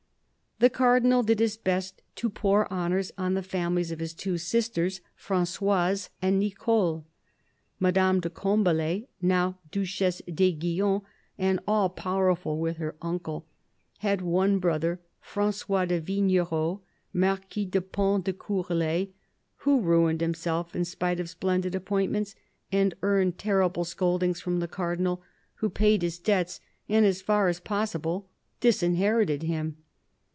The, Cardinal did his best to pour honours on the families of his two sisters, Frangoise and Nicole. Madame de Combalet, now Duchesse d'Aiguillon and all powerful with her uncle, had one brother, Frangois de Vignerot, Marquis du Pont de Courlay, who ruined himself in spite of splendid appointments and earned terrible scoldings from the Cardinal, who paid his debts and as far as possible disinherited him.